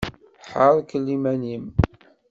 Ḥerkel iman-im!